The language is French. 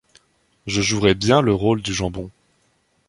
je jouerais bien le rôle du jambon.